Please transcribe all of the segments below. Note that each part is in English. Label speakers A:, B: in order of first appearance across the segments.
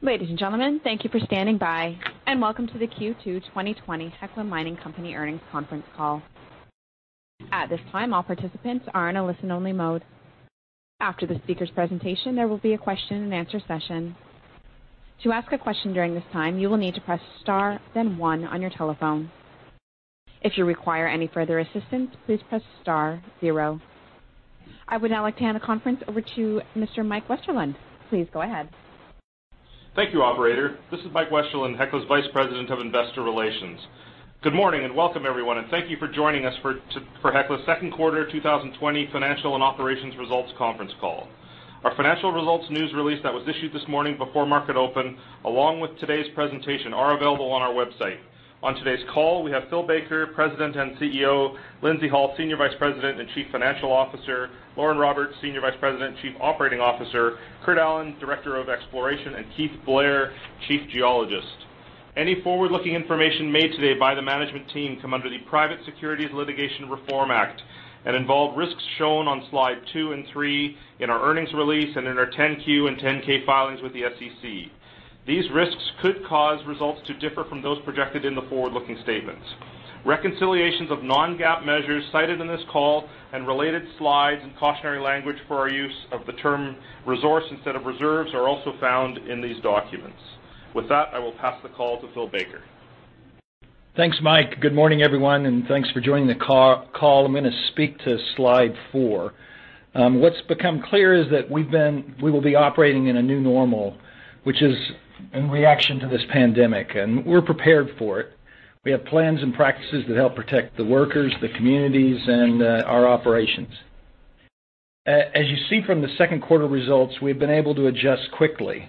A: Ladies and gentlemen, thank you for standing by, and welcome to the Q2 2020 Hecla Mining Company earnings conference call. At this time, all participants are in a listen only mode. After the speaker's presentation, there will be a question and answer session. To ask a question during this time, you will need to press star then one on your telephone. If you require any further assistance, please press star zero. I would now like to hand the conference over to Mr. Mike Westerlund. Please go ahead.
B: Thank you, operator. This is Mike Westerlund, Hecla's Vice President of Investor Relations. Good morning, and welcome everyone, and thank you for joining us for Hecla's Q2 2020 financial and operations results conference call. Our financial results news release that was issued this morning before market open, along with today's presentation, are available on our website. On today's call, we have Phil Baker, President and CEO, Lindsay Hall, Senior Vice President and Chief Financial Officer, Lauren Roberts, Senior Vice President Chief Operating Officer, Kurt Allen, Director of Exploration, and Keith Blair, Chief Geologist. Any forward-looking information made today by the management team come under the Private Securities Litigation Reform Act, and involve risks shown on slide two and three in our earnings release and in our 10-Q and 10-K filings with the SEC. These risks could cause results to differ from those projected in the forward-looking statements. Reconciliations of non-GAAP measures cited in this call and related slides and cautionary language for our use of the term resource instead of reserves are also found in these documents. With that, I will pass the call to Phil Baker.
C: Thanks, Mike. Good morning, everyone, and thanks for joining the call. I'm going to speak to slide four. What's become clear is that we will be operating in a new normal, which is in reaction to this pandemic. We're prepared for it. We have plans and practices that help protect the workers, the communities, and our operations. As you see from the second quarter results, we've been able to adjust quickly,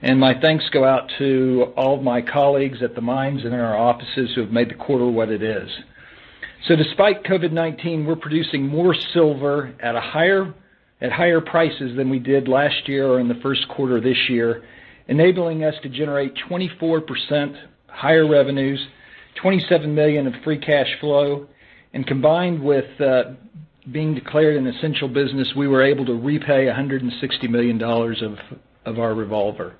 C: and my thanks go out to all of my colleagues at the mines and in our offices who have made the quarter what it is. Despite COVID-19, we're producing more silver at higher prices than we did last year or in the first quarter of this year, enabling us to generate 24% higher revenues, $27 million of free cash flow. Combined with being declared an essential business, we were able to repay $160 million of our revolver.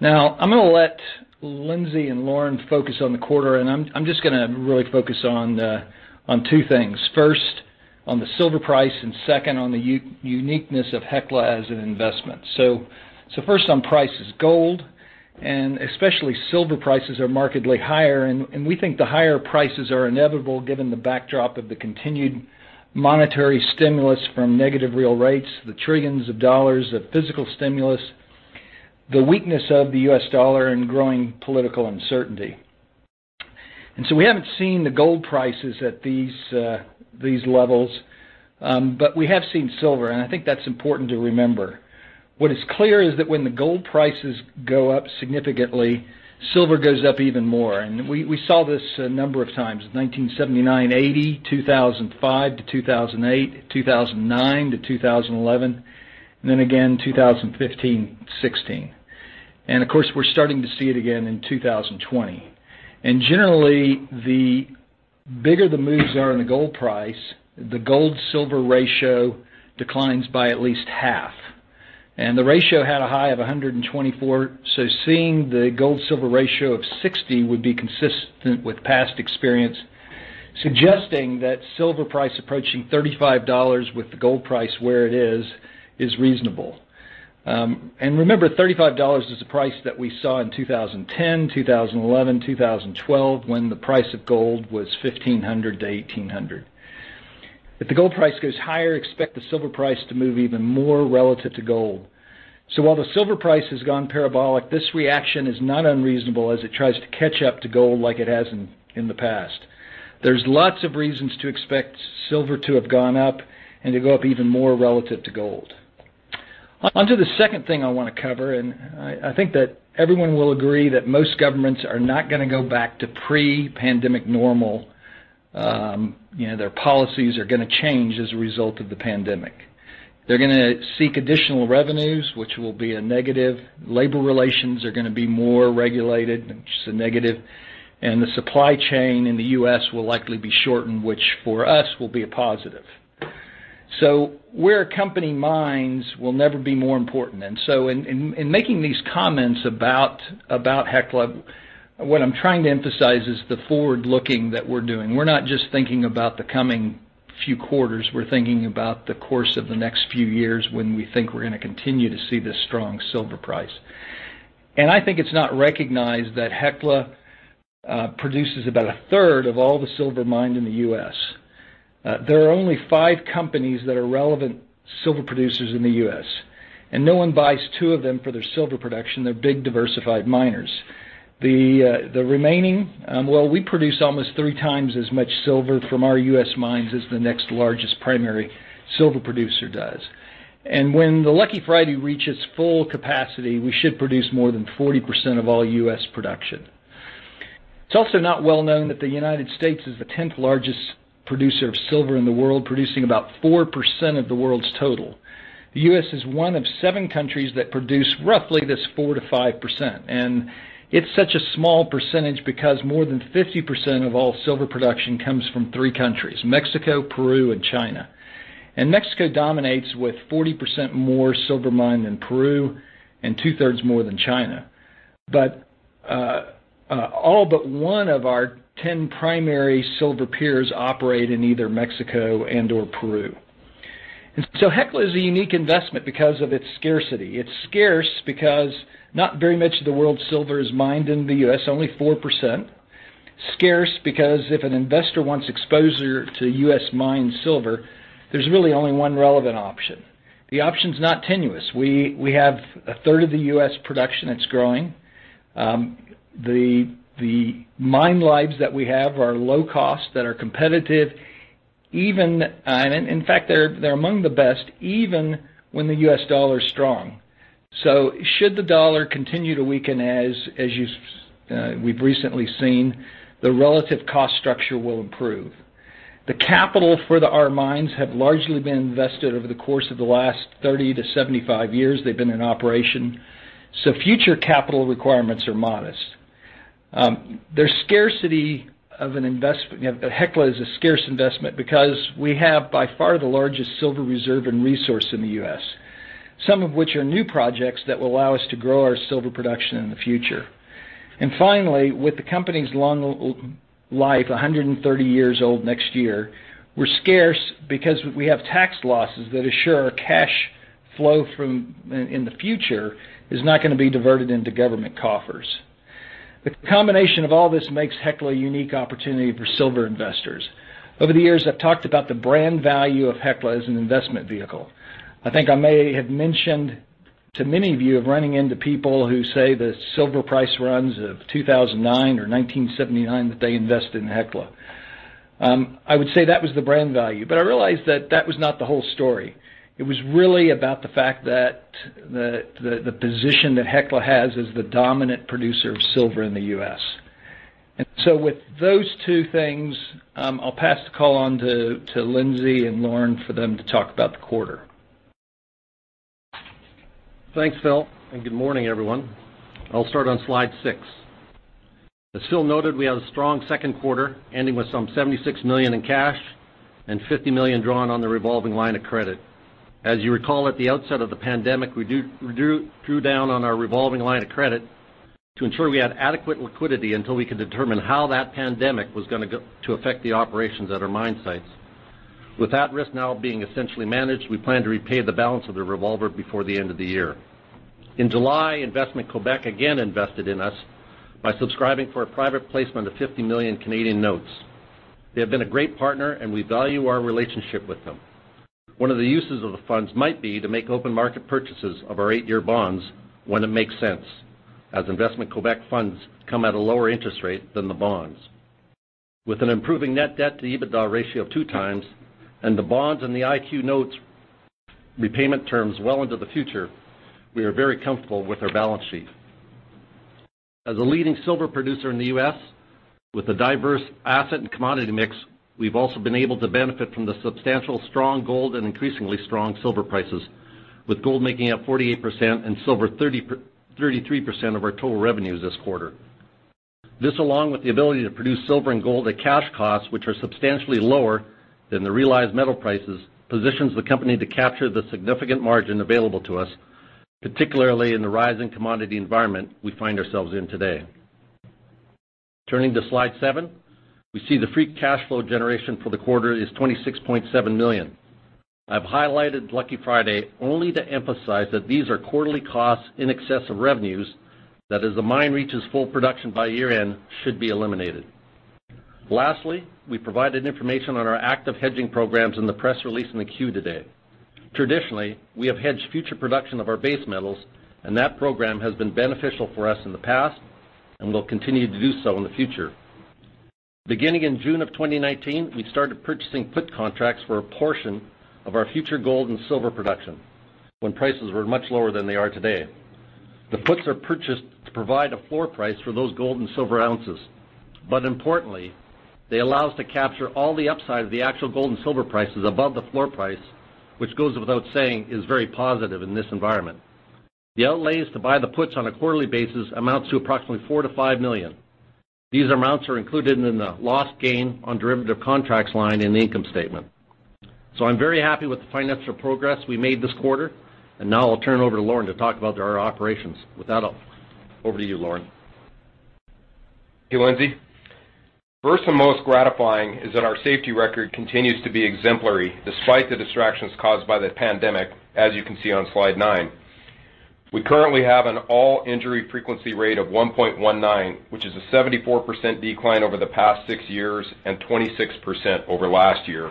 C: Now, I'm going to let Lindsay and Lauren focus on the quarter, and I'm just going to really focus on two things. First, on the silver price, and second, on the uniqueness of Hecla as an investment. First on prices. Gold and especially silver prices are markedly higher, and we think the higher prices are inevitable given the backdrop of the continued monetary stimulus from negative real rates, the trillions of dollars of physical stimulus, the weakness of the U.S. dollar, and growing political uncertainty. We haven't seen the gold prices at these levels, but we have seen silver, and I think that's important to remember. What is clear is that when the gold prices go up significantly, silver goes up even more. We saw this a number of times, 1979 to 1980, 2005 to 2008, 2009 to 2011, and then again, 2015 to 2016. Of course, we're starting to see it again in 2020. Generally, the bigger the moves are in the gold price, the gold-silver ratio declines by at least half. The ratio had a high of 124, so seeing the gold-silver ratio of 60 would be consistent with past experience, suggesting that silver price approaching $35 with the gold price where it is reasonable. Remember, $35 is the price that we saw in 2010, 2011, 2012, when the price of gold was $1,500-$1,800. If the gold price goes higher, expect the silver price to move even more relative to gold. While the silver price has gone parabolic, this reaction is not unreasonable as it tries to catch up to gold like it has in the past. There's lots of reasons to expect silver to have gone up and to go up even more relative to gold. On to the second thing I want to cover, I think that everyone will agree that most governments are not going to go back to pre-pandemic normal. Their policies are going to change as a result of the pandemic. They're going to seek additional revenues, which will be a negative. Labor relations are going to be more regulated, which is a negative, the supply chain in the U.S. will likely be shortened, which for us, will be a positive. Where a company mines will never be more important. In making these comments about Hecla, what I'm trying to emphasize is the forward-looking that we're doing. We're not just thinking about the coming few quarters. We're thinking about the course of the next few years when we think we're going to continue to see this strong silver price. I think it's not recognized that Hecla produces about a third of all the silver mined in the U.S. There are only five companies that are relevant silver producers in the U.S., and no one buys two of them for their silver production. They're big, diversified miners. The remaining, well, we produce almost three times as much silver from our U.S. mines as the next largest primary silver producer does. When the Lucky Friday reaches full capacity, we should produce more than 40% of all U.S. production. It's also not well known that the United States is the 10th largest producer of silver in the world, producing about 4% of the world's total. The U.S. is one of seven countries that produce roughly this 4%-5%, and it's such a small percentage because more than 50% of all silver production comes from three countries, Mexico, Peru, and China. Mexico dominates with 40% more silver mined than Peru and two-thirds more than China. All but one of our 10 primary silver peers operate in either Mexico and/or Peru. Hecla is a unique investment because of its scarcity. It's scarce because not very much of the world's silver is mined in the U.S., only 4%. Scarce because if an investor wants exposure to U.S.-mined silver, there's really only one relevant option. The option's not tenuous. We have a third of the U.S. production that's growing. The mine lives that we have are low cost, that are competitive. In fact, they're among the best, even when the U.S. dollar is strong. Should the U.S. dollar continue to weaken, as we've recently seen, the relative cost structure will improve. The capital for our mines have largely been invested over the course of the last 30 to 75 years they've been in operation. Future capital requirements are modest. Hecla is a scarce investment because we have by far the largest silver reserve and resource in the U.S., some of which are new projects that will allow us to grow our silver production in the future. Finally, with the company's long life, 130 years old next year, we're scarce because we have tax losses that assure our cash flow in the future is not going to be diverted into government coffers. The combination of all this makes Hecla a unique opportunity for silver investors. Over the years, I've talked about the brand value of Hecla as an investment vehicle. I think I may have mentioned to many of you of running into people who say the silver price runs of 2009 or 1979, that they invested in Hecla. I would say that was the brand value. I realized that that was not the whole story. It was really about the fact that the position that Hecla has as the dominant producer of silver in the U.S. With those two things, I'll pass the call on to Lindsay and Lauren for them to talk about the quarter.
D: Thanks, Phil. Good morning, everyone. I'll start on slide six. As Phil noted, we had a strong second quarter, ending with some $76 million in cash and $50 million drawn on the revolving line of credit. As you recall, at the outset of the pandemic, we drew down on our revolving line of credit to ensure we had adequate liquidity until we could determine how that pandemic was going to affect the operations at our mine sites. With that risk now being essentially managed, we plan to repay the balance of the revolver before the end of the year. In July, Investissement Québec again invested in us by subscribing for a private placement of 50 million notes. They have been a great partner. We value our relationship with them. One of the uses of the funds might be to make open market purchases of our eight-year bonds when it makes sense, as Investissement Québec funds come at a lower interest rate than the bonds. With an improving net debt to EBITDA ratio of two times and the bonds and the IQ notes repayment terms well into the future, we are very comfortable with our balance sheet. As a leading silver producer in the U.S. with a diverse asset and commodity mix, we've also been able to benefit from the substantial strong gold and increasingly strong silver prices, with gold making up 48% and silver 33% of our total revenues this quarter. This, along with the ability to produce silver and gold at cash costs, which are substantially lower than the realized metal prices, positions the company to capture the significant margin available to us, particularly in the rising commodity environment we find ourselves in today. Turning to slide seven, we see the free cash flow generation for the quarter is $26.7 million. I've highlighted Lucky Friday only to emphasize that these are quarterly costs in excess of revenues that, as the mine reaches full production by year-end, should be eliminated. Lastly, we provided information on our active hedging programs in the press release in the 10-Q today. Traditionally, we have hedged future production of our base metals, and that program has been beneficial for us in the past and will continue to do so in the future. Beginning in June of 2019, we started purchasing put contracts for a portion of our future gold and silver production, when prices were much lower than they are today. The puts are purchased to provide a floor price for those gold and silver ounces, but importantly, they allow us to capture all the upside of the actual gold and silver prices above the floor price, which, goes without saying, is very positive in this environment. The outlays to buy the puts on a quarterly basis amounts to approximately $4 million-$5 million. These amounts are included in the loss gain on derivative contracts line in the income statement. I'm very happy with the financial progress we made this quarter. Now I'll turn it over to Lauren to talk about our operations. With that, over to you, Lauren.
E: Hey, Lindsay. First and most gratifying is that our safety record continues to be exemplary despite the distractions caused by the pandemic, as you can see on slide nine. We currently have an all-injury frequency rate of 1.19, which is a 74% decline over the past six years and 26% over last year.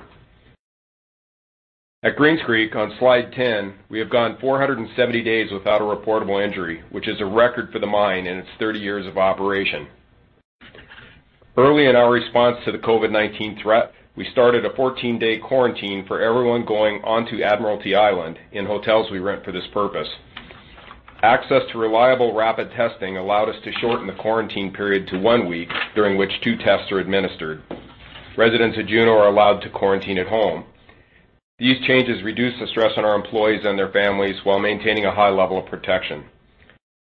E: At Greens Creek, on slide 10, we have gone 470 days without a reportable injury, which is a record for the mine in its 30 years of operation. Early in our response to the COVID-19 threat, we started a 14-day quarantine for everyone going onto Admiralty Island in hotels we rent for this purpose. Access to reliable rapid testing allowed us to shorten the quarantine period to one week, during which two tests are administered. Residents of Juneau are allowed to quarantine at home. These changes reduce the stress on our employees and their families while maintaining a high level of protection.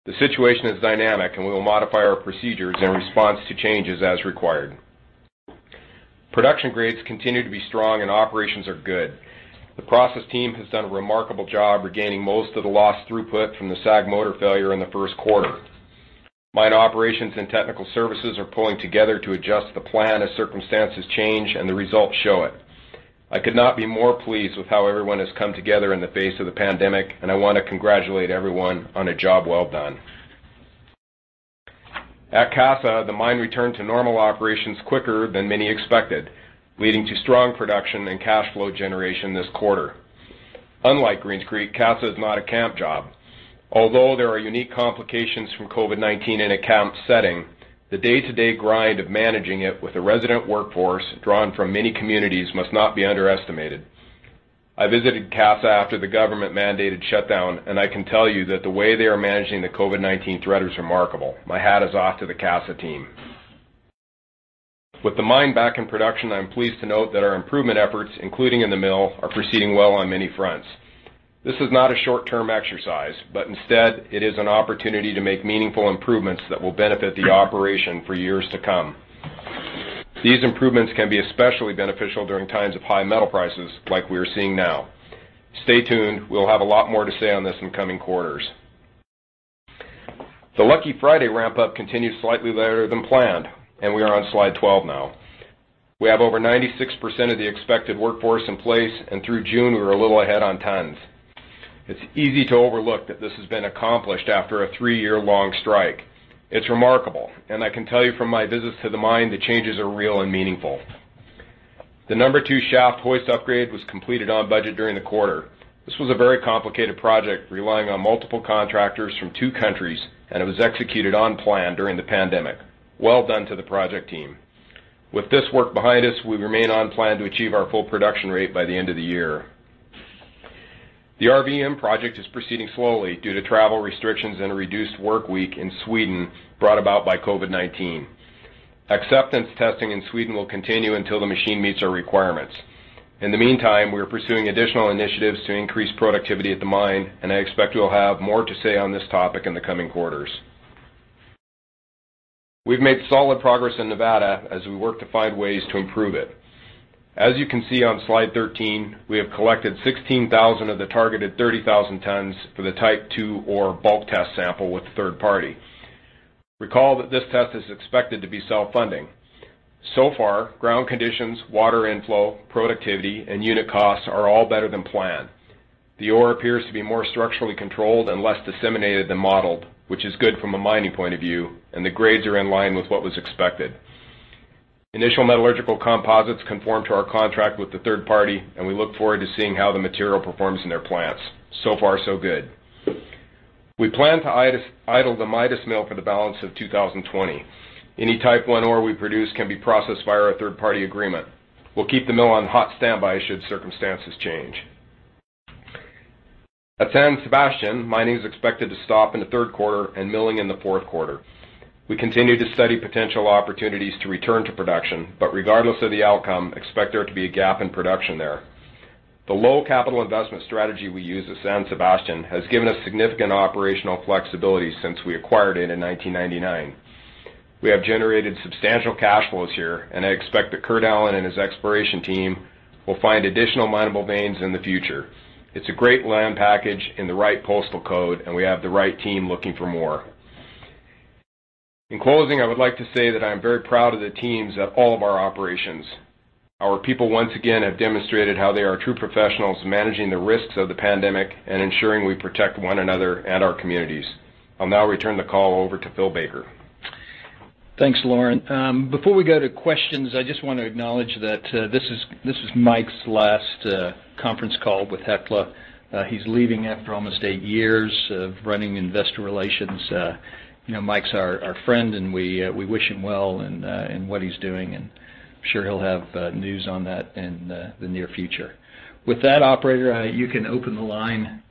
E: The situation is dynamic, and we will modify our procedures in response to changes as required. Production grades continue to be strong and operations are good. The process team has done a remarkable job regaining most of the lost throughput from the SAG motor failure in the first quarter. Mine operations and technical services are pulling together to adjust the plan as circumstances change, and the results show it. I could not be more pleased with how everyone has come together in the face of the pandemic, and I want to congratulate everyone on a job well done. At Casa, the mine returned to normal operations quicker than many expected, leading to strong production and cash flow generation this quarter. Unlike Greens Creek, Casa is not a camp job. Although there are unique complications from COVID-19 in a camp setting, the day-to-day grind of managing it with a resident workforce drawn from many communities must not be underestimated. I visited Casa after the government-mandated shutdown, and I can tell you that the way they are managing the COVID-19 threat is remarkable. My hat is off to the Casa team. With the mine back in production, I'm pleased to note that our improvement efforts, including in the mill, are proceeding well on many fronts. This is not a short-term exercise, but instead it is an opportunity to make meaningful improvements that will benefit the operation for years to come. These improvements can be especially beneficial during times of high metal prices like we are seeing now. Stay tuned, we'll have a lot more to say on this in coming quarters. The Lucky Friday ramp-up continues slightly better than planned, and we are on slide 12 now. We have over 96% of the expected workforce in place, and through June, we were a little ahead on tons. It is easy to overlook that this has been accomplished after a three-year-long strike. It is remarkable, and I can tell you from my visits to the mine, the changes are real and meaningful. The number two shaft hoist upgrade was completed on budget during the quarter. This was a very complicated project, relying on multiple contractors from two countries, and it was executed on plan during the pandemic. Well done to the project team. With this work behind us, we remain on plan to achieve our full production rate by the end of the year. The RVM project is proceeding slowly due to travel restrictions and a reduced work week in Sweden brought about by COVID-19. Acceptance testing in Sweden will continue until the machine meets our requirements. In the meantime, we are pursuing additional initiatives to increase productivity at the mine, and I expect we'll have more to say on this topic in the coming quarters. We've made solid progress in Nevada as we work to find ways to improve it. As you can see on slide 13, we have collected 16,000 of the targeted 30,000 tons for the type two ore bulk test sample with the third party. Recall that this test is expected to be self-funding. So far, ground conditions, water inflow, productivity, and unit costs are all better than planned. The ore appears to be more structurally controlled and less disseminated than modeled, which is good from a mining point of view, and the grades are in line with what was expected. Initial metallurgical composites conform to our contract with the third party. We look forward to seeing how the material performs in their plants. So far so good. We plan to idle the Midas mill for the balance of 2020. Any type one ore we produce can be processed via our third-party agreement. We'll keep the mill on hot standby should circumstances change. At San Sebastian, mining is expected to stop in the third quarter and milling in the fourth quarter. We continue to study potential opportunities to return to production. Regardless of the outcome, expect there to be a gap in production there. The low capital investment strategy we use at San Sebastian has given us significant operational flexibility since we acquired it in 1999. We have generated substantial cash flows here, and I expect that Kurt Allen and his exploration team will find additional mineable veins in the future. It's a great land package in the right postal code, and we have the right team looking for more. In closing, I would like to say that I am very proud of the teams at all of our operations. Our people, once again, have demonstrated how they are true professionals, managing the risks of the pandemic and ensuring we protect one another and our communities. I'll now return the call over to Phil Baker.
C: Thanks, Lauren. Before we go to questions, I just want to acknowledge that this is Mike's last conference call with Hecla. He's leaving after almost eight years of running investor relations. Mike's our friend, and we wish him well in what he's doing, and I'm sure he'll have news on that in the near future. With that, operator, you can open the line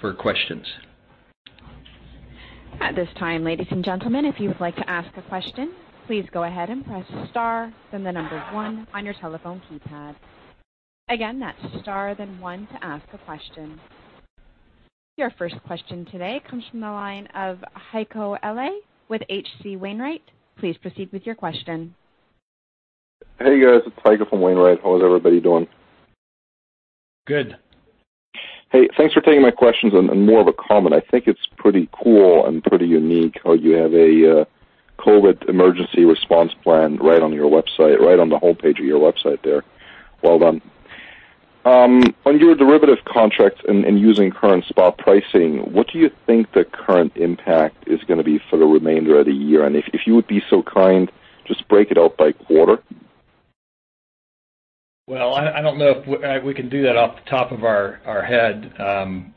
C: for questions.
A: At this time, ladies and gentlemen, if you would like to ask a question, please go ahead and press star, then the number one on your telephone keypad. Again, that's star, then one to ask a question. Your first question today comes from the line of Heiko Ihle with H.C. Wainwright. Please proceed with your question.
F: Hey, guys, it's Heiko from Wainwright. How is everybody doing?
C: Good.
F: Hey, thanks for taking my questions and more of a comment. I think it's pretty cool and pretty unique how you have a COVID emergency response plan right on your website, right on the homepage of your website there. Well done. On your derivative contracts and using current spot pricing, what do you think the current impact is going to be for the remainder of the year? If you would be so kind, just break it out by quarter.
C: Well, I don't know if we can do that off the top of our head,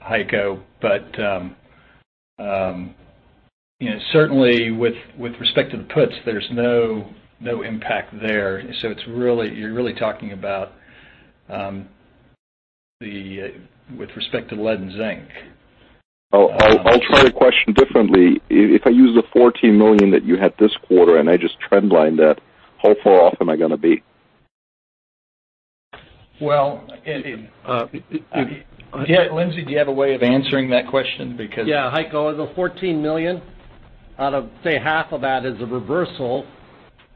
C: Heiko, but certainly, with respect to the puts, there's no impact there. You're really talking about with respect to lead and zinc.
F: I'll try the question differently. If I use the $14 million that you had this quarter, and I just trend line that, how far off am I going to be?
C: Well, Lindsay, do you have a way of answering that question?
D: Heiko, the $14 million, out of, say, half of that is a reversal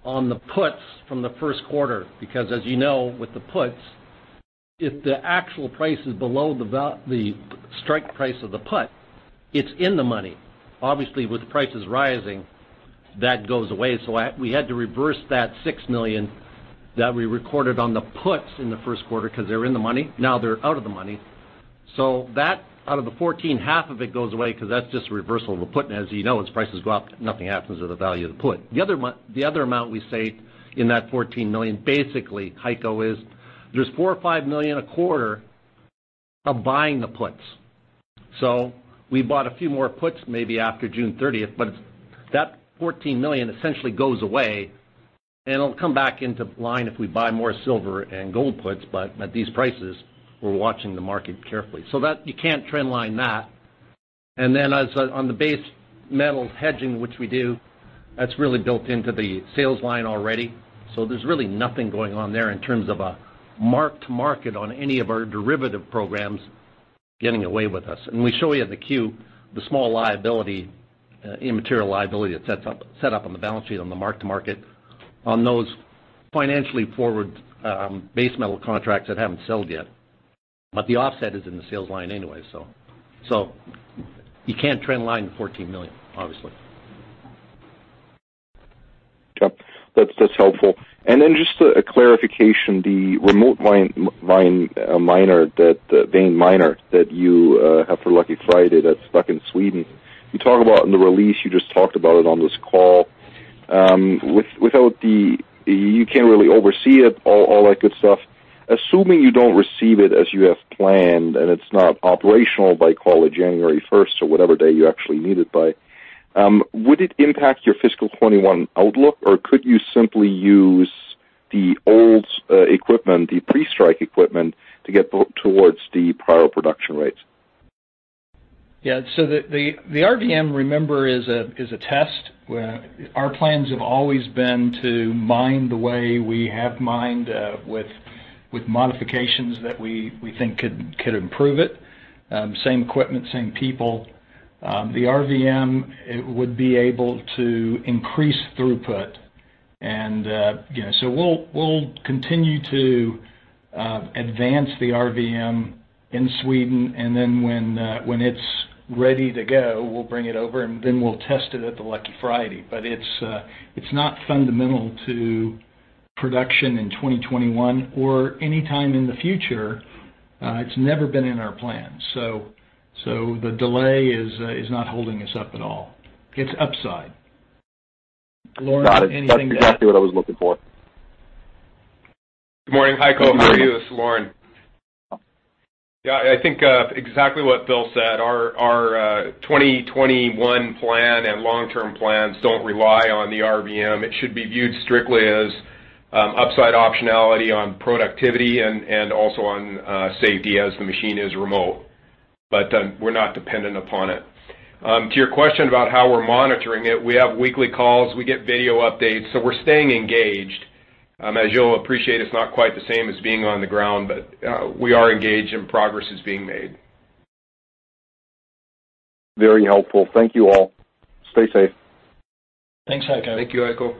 D: on the puts from the first quarter, because as you know, with the puts, if the actual price is below the strike price of the put, it's in the money. Obviously, with prices rising, that goes away. We had to reverse that $6 million that we recorded on the puts in the first quarter because they were in the money. Now they're out of the money. That, out of the $14, half of it goes away because that's just a reversal of the put, and as you know, as prices go up, nothing happens to the value of the put. The other amount we say in that $14 million, basically, Heiko, is there's $4 or $5 million a quarter of buying the puts. We bought a few more puts maybe after June 30th, but that $14 million essentially goes away, and it'll come back into line if we buy more silver and gold puts. At these prices, we're watching the market carefully. You can't trendline that. On the base metal hedging, which we do, that's really built into the sales line already. There's really nothing going on there in terms of a mark-to-market on any of our derivative programs getting away with us. We show you the Q, the small liability, immaterial liability, it's set up on the balance sheet on the mark-to-market on those financially forward base metal contracts that haven't sold yet. The offset is in the sales line anyway, so you can't trendline the $14 million, obviously.
F: Yep. That's helpful. Just a clarification, the remote vein miner, that vein miner that you have for Lucky Friday that's stuck in Sweden, you talk about in the release, you just talked about it on this call. You can't really oversee it, all that good stuff. Assuming you don't receive it as you have planned, and it's not operational by, call it, January 1st or whatever day you actually need it by, would it impact your fiscal 2021 outlook, or could you simply use the old equipment, the pre-strike equipment to get towards the prior production rates?
C: Yeah. The RVM, remember, is a test. Our plans have always been to mine the way we have mined, with modifications that we think could improve it. Same equipment, same people. The RVM would be able to increase throughput. We'll continue to advance the RVM in Sweden, and then when it's ready to go, we'll bring it over, and then we'll test it at the Lucky Friday. It's not fundamental to production in 2021 or any time in the future. It's never been in our plans. The delay is not holding us up at all. It's upside. Lauren, anything to add?
F: Got it. That's exactly what I was looking for.
E: Good morning, Heiko and Mike. This is Lauren. Yeah, I think exactly what Phil said. Our 2021 plan and long-term plans don't rely on the RVM. It should be viewed strictly as upside optionality on productivity and also on safety as the machine is remote. We're not dependent upon it. To your question about how we're monitoring it, we have weekly calls. We get video updates, we're staying engaged. As you'll appreciate, it's not quite the same as being on the ground, but we are engaged and progress is being made.
F: Very helpful. Thank you all. Stay safe.
D: Thanks, Heiko.
C: Thank you, Heiko.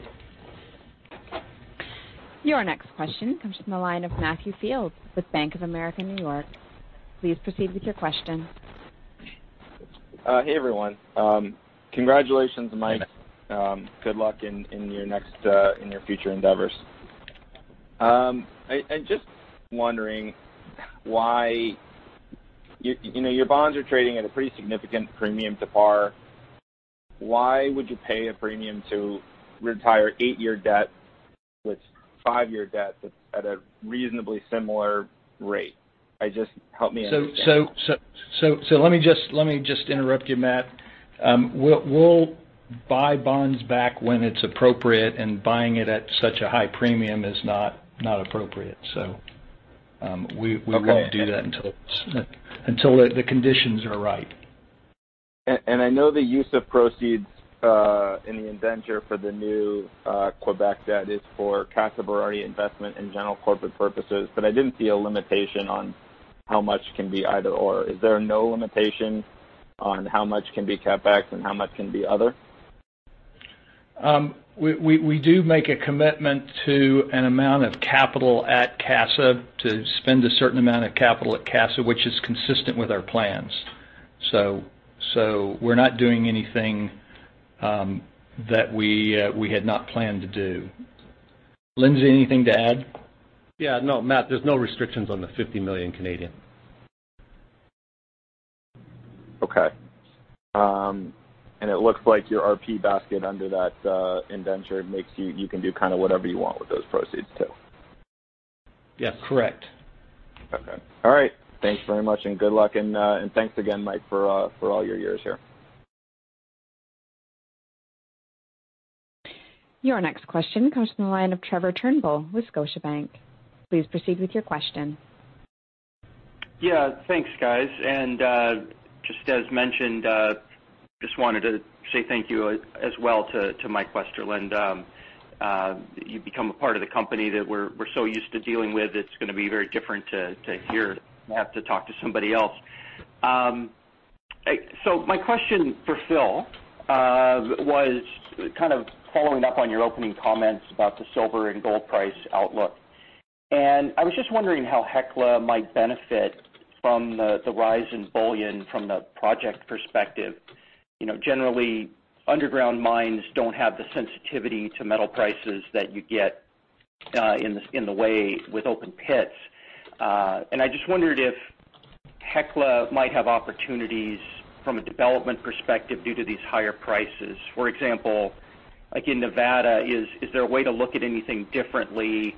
A: Your next question comes from the line of Matthew Fields with Bank of America in New York. Please proceed with your question.
G: Hey, everyone. Congratulations, Mike. Good luck in your future endeavors. I'm just wondering why your bonds are trading at a pretty significant premium to par. Why would you pay a premium to retire eight-year debt with five-year debt that's at a reasonably similar rate? Just help me understand.
C: Let me just interrupt you, Matt. We'll buy bonds back when it's appropriate, and buying it at such a high premium is not appropriate. We won't do that until the conditions are right.
G: I know the use of proceeds, in the indenture for the new Québec debt is for Casa Berardi investment and general corporate purposes, but I didn't see a limitation on how much can be either or. Is there no limitation on how much can be CapEx and how much can be other?
C: We do make a commitment to an amount of capital at Casa, to spend a certain amount of capital at Casa, which is consistent with our plans. We're not doing anything that we had not planned to do. Lindsay, anything to add?
D: Yeah, no, Matt, there's no restrictions on the 50 million.
G: Okay. It looks like your RP basket under that indenture, you can do kind of whatever you want with those proceeds, too.
C: Yeah, correct.
G: Okay. All right. Thanks very much and good luck, and thanks again, Mike, for all your years here.
A: Your next question comes from the line of Trevor Turnbull with Scotiabank. Please proceed with your question.
H: Yeah. Thanks, guys. Just as mentioned, just wanted to say thank you as well to Mike Westerlund. You've become a part of the company that we're so used to dealing with. It's going to be very different to hear I have to talk to somebody else. My question for Phil was kind of following up on your opening comments about the silver and gold price outlook. I was just wondering how Hecla might benefit from the rise in bullion from the project perspective. Generally, underground mines don't have the sensitivity to metal prices that you get in the way with open pits. I just wondered if Hecla might have opportunities from a development perspective due to these higher prices. For example, like in Nevada, is there a way to look at anything differently,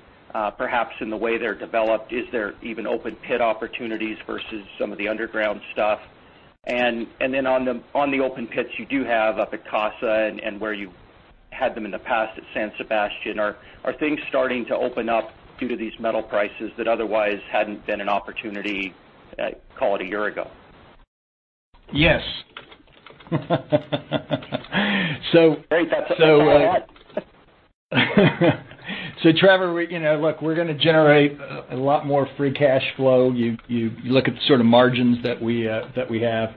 H: perhaps in the way they're developed? Is there even open pit opportunities versus some of the underground stuff? On the open pits you do have up at Casa and where you had them in the past at San Sebastian, are things starting to open up due to these metal prices that otherwise hadn't been an opportunity, call it a year ago?
C: Yes.
H: Great. That's what I thought.
C: Trevor, look, we're going to generate a lot more free cash flow. You look at the sort of margins that we have.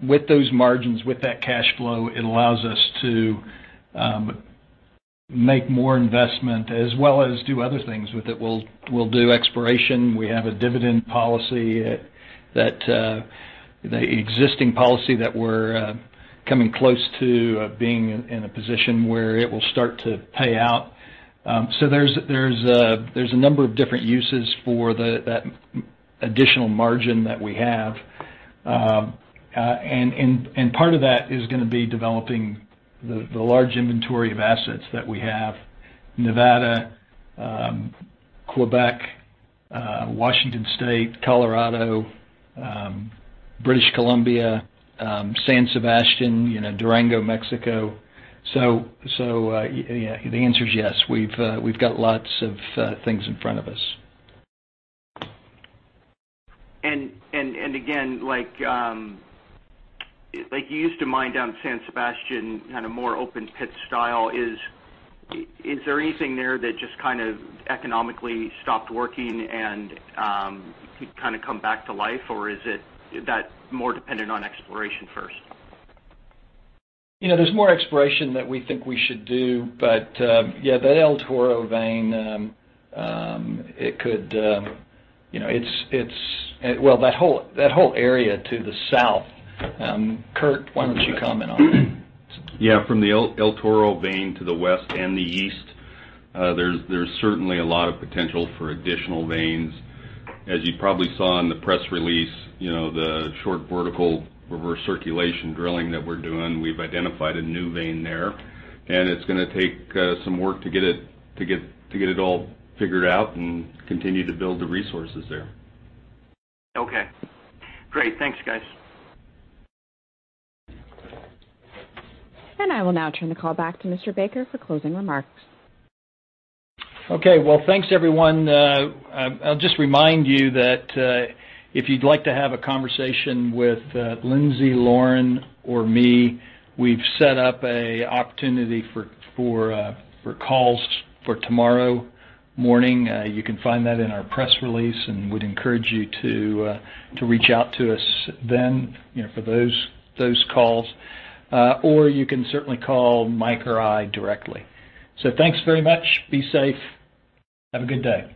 C: With those margins, with that cash flow, it allows us to make more investment as well as do other things with it. We'll do exploration. We have a dividend policy, the existing policy that we're coming close to being in a position where it will start to pay out. There's a number of different uses for that additional margin that we have. Part of that is going to be developing the large inventory of assets that we have, Nevada, Quebec, Washington State, Colorado, British Columbia, San Sebastian, Durango, Mexico. The answer is yes, we've got lots of things in front of us.
H: Again, like you used to mine down San Sebastian, kind of more open pit style, is there anything there that just kind of economically stopped working and could kind of come back to life? Is it that more dependent on exploration first?
C: There's more exploration that we think we should do, but, yeah, that El Toro vein, that whole area to the south. Kurt, why don't you comment on that?
I: Yeah. From the El Toro vein to the west and the east, there's certainly a lot of potential for additional veins. As you probably saw in the press release, the short vertical reverse circulation drilling that we're doing, we've identified a new vein there, and it's going to take some work to get it all figured out and continue to build the resources there.
H: Okay. Great. Thanks, guys.
A: I will now turn the call back to Mr. Baker for closing remarks.
C: Thanks everyone. I'll just remind you that if you'd like to have a conversation with Lindsay, Lauren, or me, we've set up an opportunity for calls for tomorrow morning. You can find that in our press release and would encourage you to reach out to us then for those calls. You can certainly call Mike or I directly. Thanks very much. Be safe. Have a good day.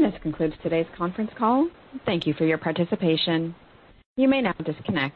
A: This concludes today's conference call. Thank you for your participation. You may now disconnect.